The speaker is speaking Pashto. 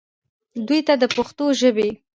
دوي ته د پښتو ژبې